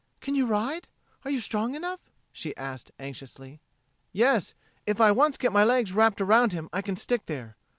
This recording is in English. "Can you ride? Are you strong enough?" she asked anxiously. "Yes if I once get my legs wrapped around him I can stick there.